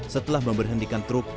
setelah memberhentikan truk